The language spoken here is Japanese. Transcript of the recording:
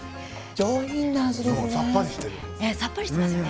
上品な味ですね。